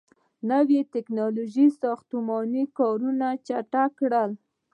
• نوي ټیکنالوژۍ ساختماني کارونه چټک کړل.